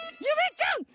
ゆめちゃん！